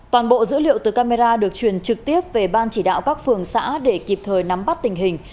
toàn bộ dữ liệu từ camera được truyền trực tiếp về ban chỉ đạo các phường xã để kịp thời nắm bắt tình hình